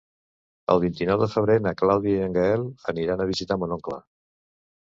El vint-i-nou de febrer na Clàudia i en Gaël aniran a visitar mon oncle.